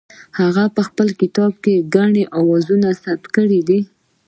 هغه په خپل کتاب کې ګڼې اوازې ثبت کړې دي.